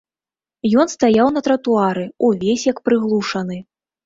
Ён стаяў на тратуары ўвесь як прыглушаны.